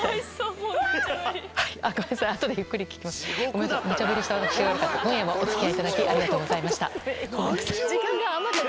今夜もお付き合いいただきありがとうございました。